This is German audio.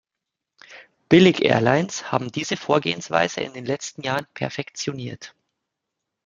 Billig-Airlines haben diese Vorgehensweise in den letzten Jahren perfektioniert.